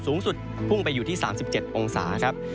สูงสุดพุ่งไปอยู่ที่๓๗องศาครับ